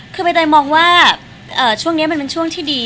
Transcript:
คือใบเตยมองว่าช่วงนี้มันเป็นช่วงที่ดี